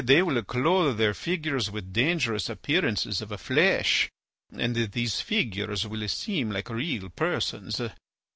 They will clothe their figures with dangerous appearances of flesh, and these figures will seem like real persons.